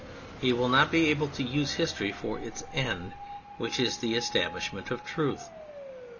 He will not be able to use history for its end, which is the establishment of Truth.